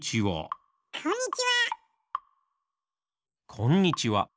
こんにちは。